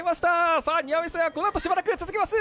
さあ、庭見世はこのあとしばらく続きます。